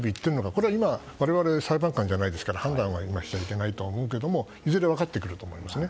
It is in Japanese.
これは我々、裁判官じゃないですから判断を今しちゃいけないと思いますからいずれ分かってくると思いますね。